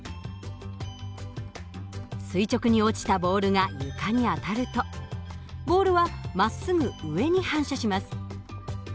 垂直に落ちたボールが床に当たるとボールはまっすぐ上に反射します。